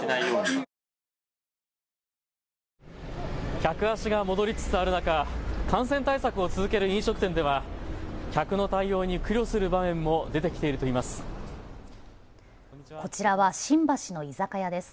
客足が戻りつつある中、感染対策を続ける飲食店では客の対応に苦慮する場面も出てきているといいます。